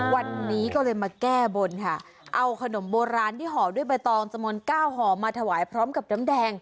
วันนี้ก็เลยมาแก้บนค่ะเอาขนมโบราณที่ห่อด้วยใบตองจำนวนเก้าห่อมาถวายพร้อมกับน้ำแดง